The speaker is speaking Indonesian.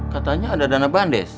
katanya ada dana bandes